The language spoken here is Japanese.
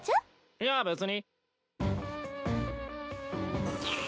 いや別に。